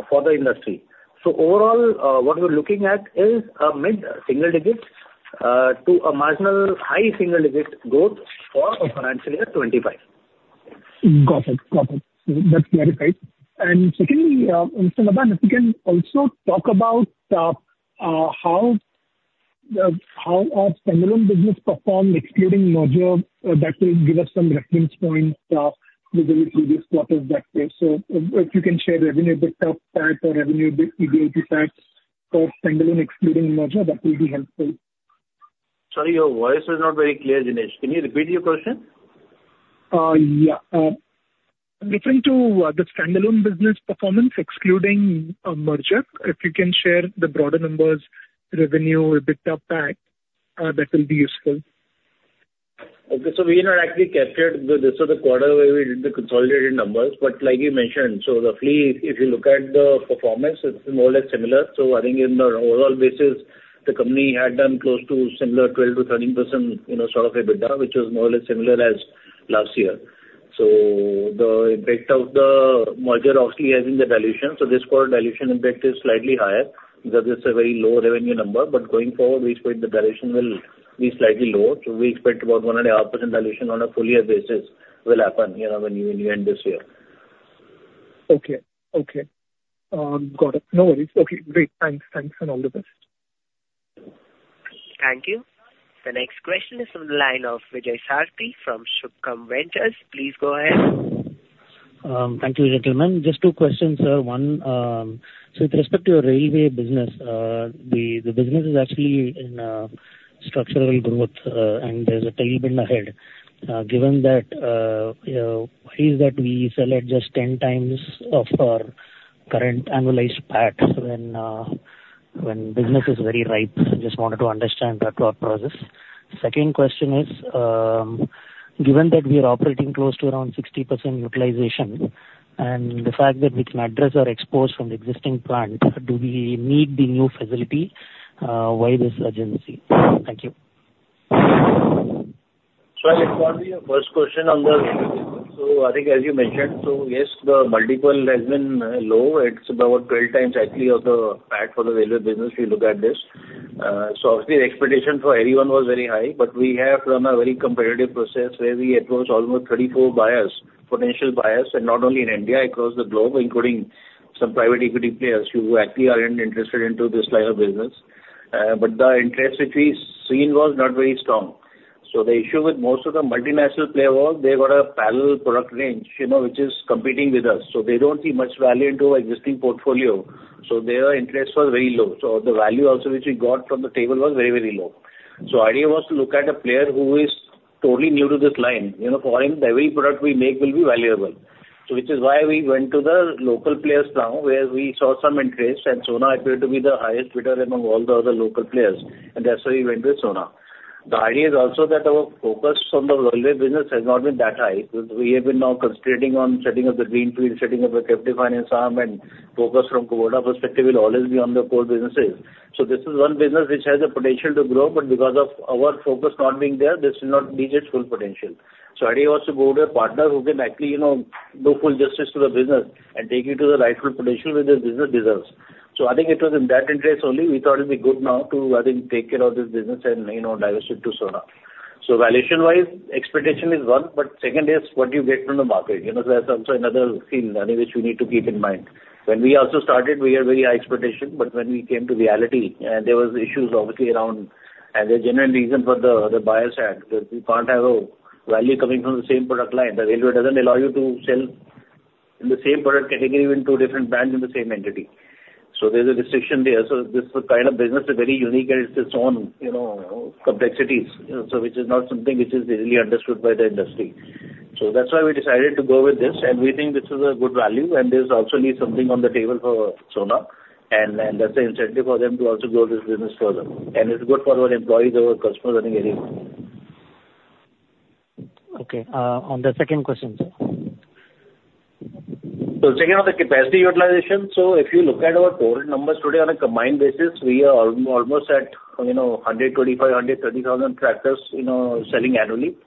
for the industry. Overall, what we're looking at is a mid-single-digit to a marginal high single-digit growth for financial year 2025. Got it. That's very good. And secondly, Mr. Bharat, if you can also talk about how our standalone business performed, excluding merger, that will give us some reference points within the previous quarters, that way. So if you can share revenue-based stuff or revenue-based EBITDA stats for standalone excluding merger, that will be helpful. Sorry, your voice is not very clear, Jinesh. Can you repeat your question? Yeah. Referring to the standalone business performance, excluding merger, if you can share the broader numbers, revenue, EBITDA stats, that will be useful. Okay, so we are not actualy captured this specific quarter where we did the consolidated numbers. But like you mentioned, so roughly, if you look at the performance, it's more or less similar, so I think in the overall basis, the company had done close to similar 12%-13% sort of EBITDA, which was more or less similar as last year, so the impact of the merger obviously has been the dilution. So this quarter, dilution impact is slightly higher because it's a very low revenue number, but going forward, we expect the dilution will be slightly lower. So we expect about 1.5% dilution on a full-year basis will happen when you end this year. Okay. Okay. Got it. No worries. Okay. Great. Thanks. Thanks and all the best. Thank you. The next question is from the line of Vijay Sarthy from Subhkam Ventures. Please go ahead. Thank you, gentlemen. Just two questions, sir. One, so with respect to your railway business, the business is actually in structural growth, and there's a tailwind ahead. Given that, why is that we sell at just 10x of our current annualized PAT when business is very ripe? I just wanted to understand that thought process. Second question is, given that we are operating close to around 60% utilization and the fact that we can address our exports from the existing plant, do we need the new facility? Why this urgency? Thank you. So I respond to your first question. I think, as you mentioned, so yes, the multiple has been low. It's about 12x actually of the PAT for the railway business if you look at this. So obviously, the expectation for everyone was very high. But we have run a very competitive process where we had almost 34 buyers, potential buyers, and not only in India, across the globe, including some private equity players who actually are interested in this line of business. But the interest which we seen was not very strong. So the issue with most of the multinational players was they got a parallel product range which is competing with us. So they don't see much value into our existing portfolio. So their interest was very low. So the value also which we got from the table was very, very low. The idea was to look at a player who is totally new to this line. For him, every product we make will be valuable. So, which is why we went to the local players now, where we saw some interest. And Sona appeared to be the highest bidder among all the other local players. And that's why we went with Sona. The idea is also that our focus on the railway business has not been that high. We have been now concentrating on setting up the greenfield, setting up a captive finance arm, and focus from Kubota perspective will always be on the core businesses. So this is one business which has the potential to grow. But because of our focus not being there, this will not reach its full potential. So the idea was to go to a partner who can actually do full justice to the business and take it to the rightful potential where the business deserves. So I think it was in that interest only. We thought it would be good now to, I think, take care of this business and divest it to Sona. So valuation-wise, expectation is one. But second is what do you get from the market? That's also another thing which we need to keep in mind. When we also started, we had very high expectations. But when we came to reality, there were issues obviously around, and there's genuine reason for the buyer's side. We can't have a value coming from the same product line. The railway doesn't allow you to sell in the same product category with two different brands in the same entity. So there's a restriction there. So this kind of business is very unique, and it's its own complexities, which is not something which is easily understood by the industry. So that's why we decided to go with this. And we think this is a good value. And there's also need something on the table for Sona. And that's the incentive for them to also grow this business further. And it's good for our employees, our customers, and everyone. Okay. On the second question, sir. So, second, on the capacity utilization. So, if you look at our total numbers today on a combined basis, we are almost at 125,000-130,000 tractors selling annually.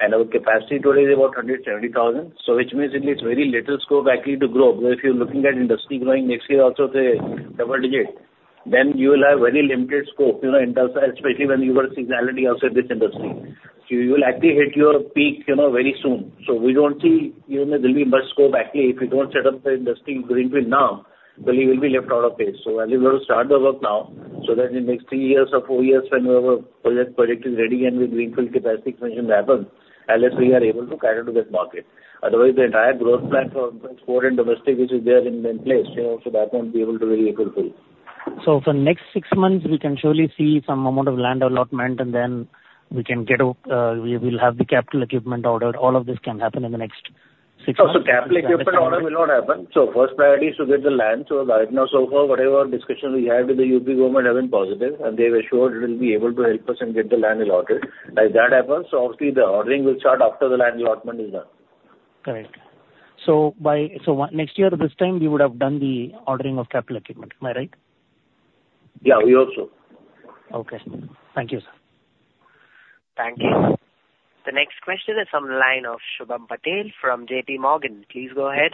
And our capacity today is about 170,000. So, which means it leaves very little scope actually to grow. But if you're looking at industry growing next year also to double-digit, then you will have very limited scope, especially when you go to seasonality also in this industry. So, you will actually hit your peak very soon. So, we don't see even if there'll be much scope actually. If you don't set up the industry greenfield now, then you will be left out of place. So, I think we'll start the work now so that in the next three years or four years whenever project is ready and with greenfield capacity expansion happens, unless we are able to cater to that market. Otherwise, the entire growth plan for export and domestic which is there in place, so that won't be able to be very fulfilled. So for the next six months, we can surely see some amount of land allotment, and then we will have the capital equipment ordered. All of this can happen in the next six months. Capital equipment order will not happen. First priority is to get the land. Right now, so far, whatever discussions we had with the UP government have been positive. They've assured they'll be able to help us and get the land allotted. If that happens, obviously, the ordering will start after the land allotment is done. Correct. So next year at this time, we would have done the ordering of capital equipment. Am I right? Yeah. We hope so. Okay. Thank you, sir. Thank you. The next question is from the line of Shubham Patel from JPMorgan. Please go ahead.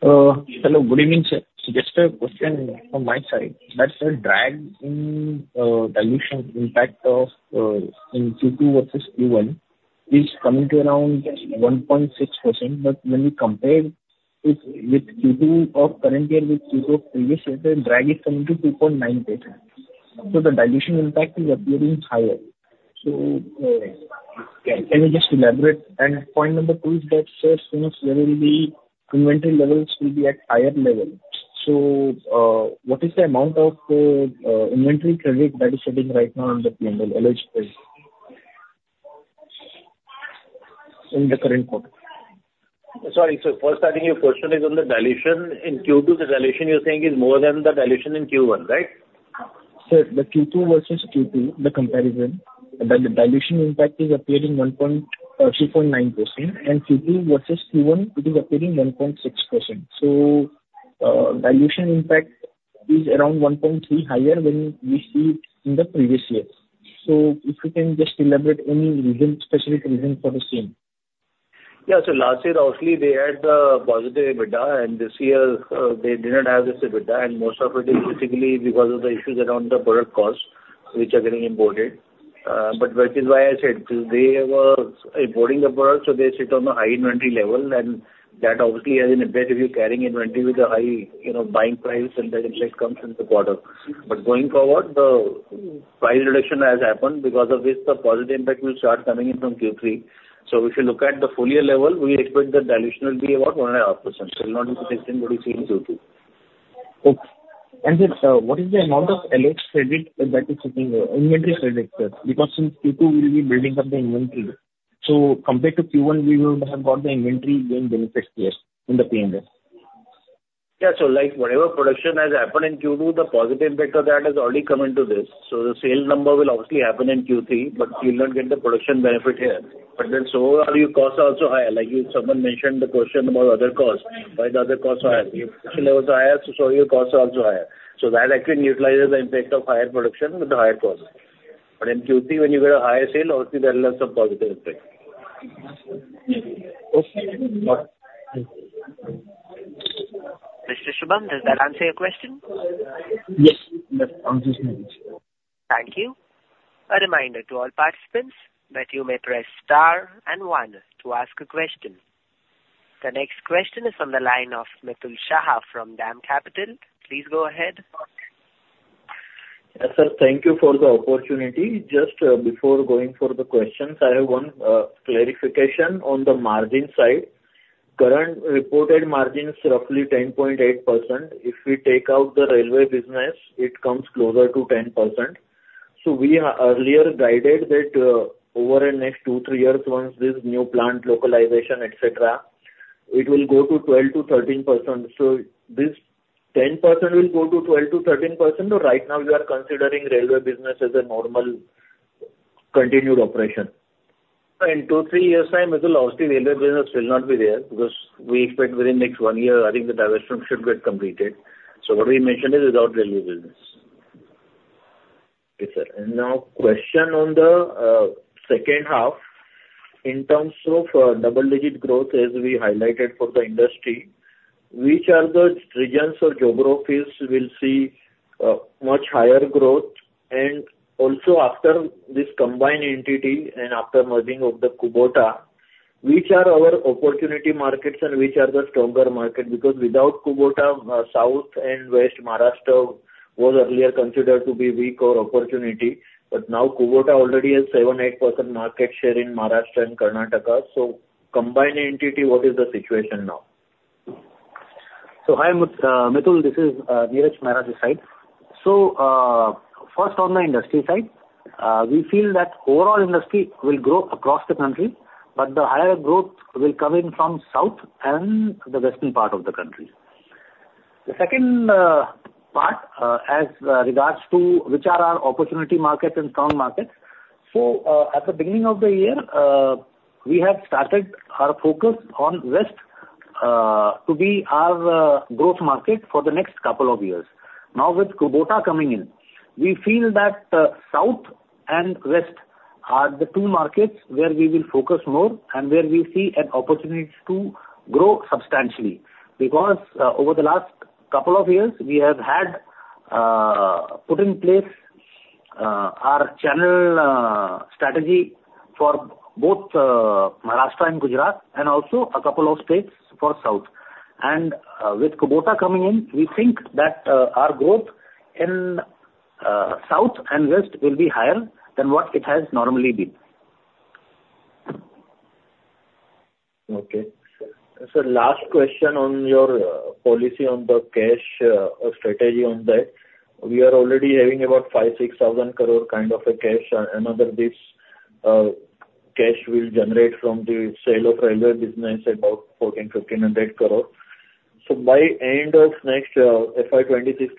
Hello. Good evening, sir. So just a question from my side. That's the drag in dilution impact of Q2 versus Q1 is coming to around 1.6%. But when we compare with Q2 of current year with Q2 of previous year, the drag is coming to 2.9%. So the dilution impact is appearing higher. So can you just elaborate? And point number two is that, sir, second where will the inventory levels be at higher level? So what is the amount of inventory credit that is sitting right now on the P&L eligible in the current quarter? Sorry. So first, I think your question is on the dilution. In Q2, the dilution you're saying is more than the dilution in Q1, right? Sir, the Q2 versus Q2, the comparison, the dilution impact is appearing 2.9%, and Q2 versus Q1, it is appearing 1.6%, so dilution impact is around 1.3% higher than we see in the previous year, so if you can just elaborate any specific reason for the same? Yeah. So last year, obviously, they had the positive EBITDA. And this year, they didn't have this EBITDA. And most of it is basically because of the issues around the product costs which are getting imported. But that is why I said they were importing the product. So they sit on a high inventory level. And that obviously has an impact if you're carrying inventory with a high buying price, and that impact comes in the quarter. But going forward, the price reduction has happened. Because of this, the positive impact will start coming in from Q3. So if you look at the full-year level, we expect the dilution will be about 1.5%. It will not be the same what we see in Q2. Okay. And sir, what is the amount of LOH credit that is sitting inventory products because since Q2, we'll be building up the inventory. So compared to Q1, we will have got the inventory gain benefits here in the P&L. Yeah. So whatever production has happened in Q2, the positive impact of that has already come into this. So the sale number will obviously happen in Q3, but you'll not get the production benefit here. But then so are your costs also higher. Like someone mentioned the question about other costs. Why are the other costs higher? The production level is higher, so your costs are also higher. So that actually neutralizes the impact of higher production with the higher costs. But in Q3, when you get a higher sale, obviously, there'll have some positive impact. Mr. Shubham, does that answer your question? Yes. Yes. Answers my question. Thank you. A reminder to all participants that you may press star and one to ask a question. The next question is from the line of Mitul Shah from DAM Capital. Please go ahead. Yes, sir. Thank you for the opportunity. Just before going for the questions, I have one clarification on the margin side. Current reported margin is roughly 10.8%. If we take out the railway business, it comes closer to 10%. So we earlier guided that over the next two, three years, once this new plant localization, etc., it will go to 12%-13%. So this 10% will go to 12%-13%, or right now, we are considering railway business as a normal continued operation. In two, three years' time, obviously, railway business will not be there because we expect within the next one year, I think the diversion should get completed. So what we mentioned is without railway business. Okay, sir. And now, question on the second half. In terms of double-digit growth, as we highlighted for the industry, which are the regions or geographies we'll see much higher growth? And also, after this combined entity and after merging of the Kubota, which are our opportunity markets and which are the stronger markets? Because without Kubota, South and West Maharashtra was earlier considered to be weak or opportunity. But now, Kubota already has 7%-8% market share in Maharashtra and Karnataka. So combined entity, what is the situation now? Hi, Mitul. This is Neeraj Mehra's side. First, on the industry side, we feel that overall industry will grow across the country, but the higher growth will come in from South and the Western part of the country. The second part, as regards to which are our opportunity markets and strong markets. At the beginning of the year, we have started our focus on West to be our growth market for the next couple of years. Now, with Kubota coming in, we feel that South and West are the two markets where we will focus more and where we see an opportunity to grow substantially. Because over the last couple of years, we have had put in place our channel strategy for both Maharashtra and Gujarat and also a couple of states for South. With Kubota coming in, we think that our growth in South and West will be higher than what it has normally been. Okay. So last question on your policy on the cash strategy on that. We are already having about 5,000-6,000 crore kind of a cash. Another bits of cash will generate from the sale of railway business about 1,400 crore-1,500 crore. So by end of next FY 2026-2027,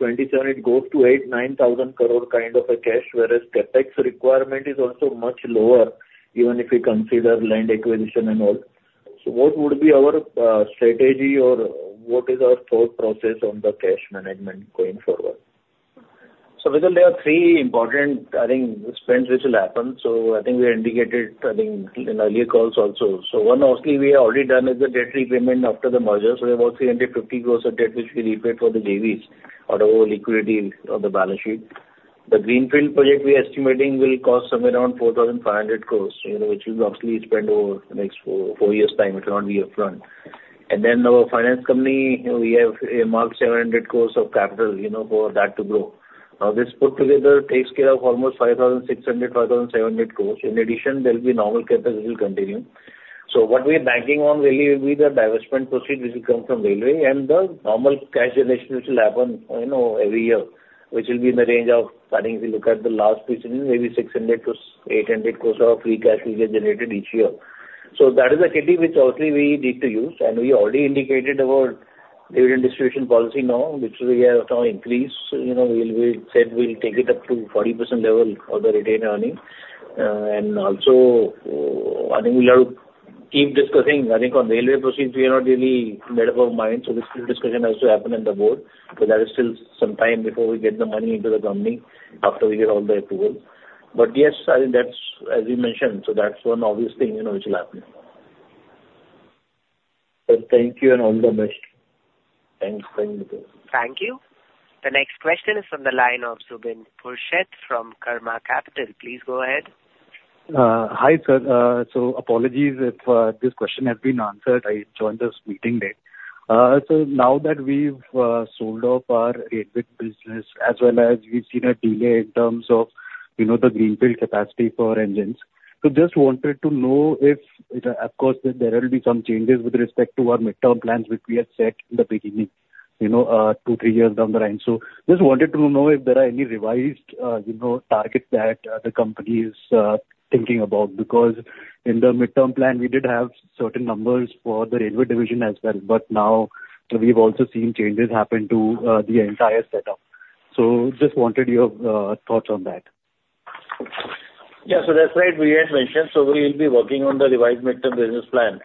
it goes to 8,000 crore-9,000 crore kind of a cash, whereas CapEx requirement is also much lower, even if we consider land acquisition and all. So what would be our strategy or what is our thought process on the cash management going forward? So there are three important, I think, spends which will happen. So I think we indicated, I think, in earlier calls also. So one, obviously, we have already done is the debt repayment after the mergers. We have about 350 crore of debt which we repay for the JVs. Out of all liquidity on the balance sheet. The greenfield project we are estimating will cost somewhere around 4,500 crore, which we will obviously spend over the next four years' time if not upfront. Then our finance company, we have earmarked 700 crore of capital for that to grow. Now, this put together takes care of almost 5,600 crore-5,700 crore. In addition, there will be normal capital which will continue. What we are banking on really will be the disposal proceeds which will come from railway and the normal cash generation which will happen every year, which will be in the range of, I think, if you look at the last few, maybe 600 crore-800 crore of free cash will get generated each year. That is the capex which obviously we need to use, and we already indicated our dividend distribution policy now, which we have now increased. We said we'll take it up to 40% level of the retained earnings. And also, I think we'll have to keep discussing. I think on railway proceeds, we are not really made up our mind. So this discussion has to happen in the board. But that is still some time before we get the money into the company after we get all the approvals. But yes, I think that's, as you mentioned, so that's one obvious thing which will happen. Thank you and all the best. Thanks. Thank you. Thank you. The next question is from the line of Zubin Pruseth from Karma Capital. Please go ahead. Hi, sir. So apologies if this question has been answered. I joined this meeting late. So now that we've sold off our railway business as well as we've seen a delay in terms of the greenfield capacity for engines, we just wanted to know if, of course, there will be some changes with respect to our midterm plans which we had set in the beginning, two, three years down the line. So just wanted to know if there are any revised targets that the company is thinking about. Because in the midterm plan, we did have certain numbers for the railway division as well. But now, we've also seen changes happen to the entire setup. So just wanted your thoughts on that. Yeah. So that's right. We had mentioned. So we will be working on the revised midterm business plan,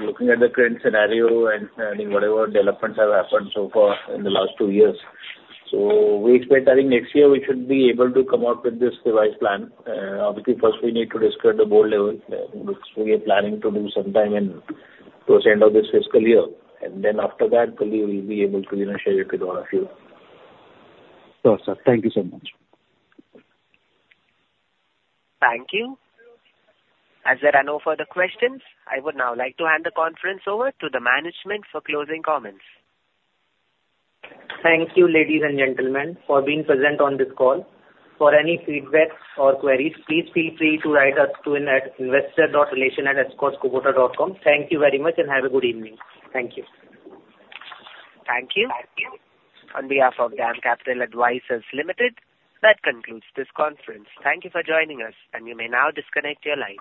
looking at the current scenario and whatever developments have happened so far in the last two years. So we expect, I think, next year we should be able to come up with this revised plan. Obviously, first, we need to discuss the board level. We are planning to do sometime in towards the end of this fiscal year. And then after that, surely we'll be able to share it with all of you. Sure, sir. Thank you so much. Thank you. Is there any further questions? I would now like to hand the conference over to the management for closing comments. Thank you, ladies and gentlemen, for being present on this call. For any feedback or queries, please feel free to write us to investor.relations@escorts-kubota.com. Thank you very much and have a good evening. Thank you. Thank you. On behalf of DAM Capital Advisors Limited, that concludes this conference. Thank you for joining us, and you may now disconnect your line.